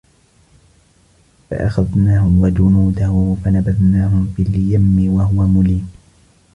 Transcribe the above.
فَأَخَذْنَاهُ وَجُنُودَهُ فَنَبَذْنَاهُمْ فِي الْيَمِّ وَهُوَ مُلِيمٌ